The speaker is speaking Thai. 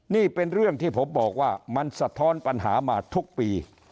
นี่เป็นเรื่องที่ผมบอกว่ามันสะท้อนปัญหามาทุกปี